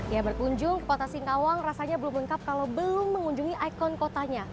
ya berkunjung ke kota singkawang rasanya belum lengkap kalau belum mengunjungi ikon kotanya